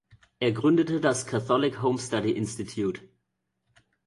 Er gründete das Catholic Home Study Institute.